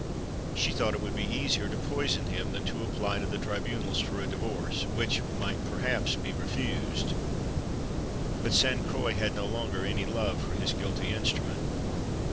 She thought it would be easier to poison him than to apply to the tribunals for a divorce, which might, perhaps, be refused. But Sainte Croix had no longer any love for his guilty instrument.